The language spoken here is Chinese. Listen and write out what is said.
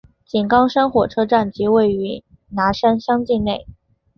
井冈山火车站即位于拿山乡境内。